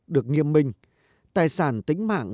được nghiêm minh tài sản tính mạng